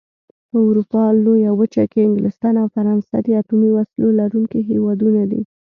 په اروپا لويه وچه کې انګلستان او فرانسه د اتومي وسلو لرونکي هېوادونه دي.